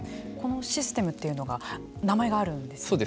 このシステムというのが名前があるんですね。